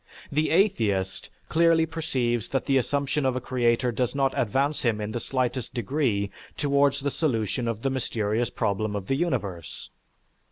The atheist clearly perceives that the assumption of a creator does not advance him in the slightest degree towards the solution of the mysterious problem of the universe.